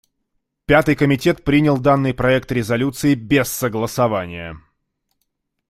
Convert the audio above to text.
Пятый комитет принял данный проект резолюции без голосования.